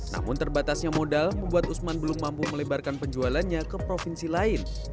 namun terbatasnya modal membuat usman belum mampu melebarkan penjualannya ke provinsi lain